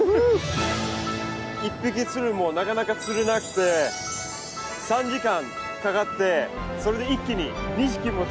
１匹釣るのもなかなか釣れなくて３時間かかってそれで一気に２匹も釣れて。